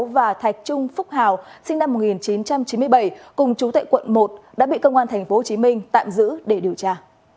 và thạch trung phúc hào sinh năm một nghìn chín trăm chín mươi bảy cùng chú tại quận một đã bị công an tp hcm tạm giữ để điều tra